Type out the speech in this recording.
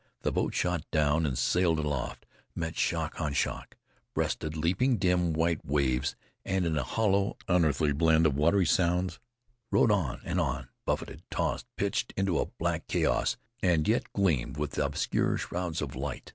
The boat shot down and sailed aloft, met shock on shock, breasted leaping dim white waves, and in a hollow, unearthly blend of watery sounds, rode on and on, buffeted, tossed, pitched into a black chaos that yet gleamed with obscure shrouds of light.